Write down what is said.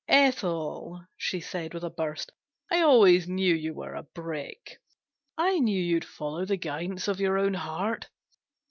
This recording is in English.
" Ethel," she said, with a burst, " I always knew you were a brick ! I knew you'd follow the guidance of your own heart.